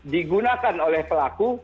digunakan oleh pelaku